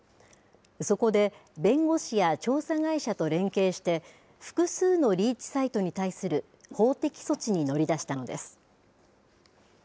そこで、弁護士や調査会社と連携して複数のリーチサイトに対する法的措置に乗り出したのです。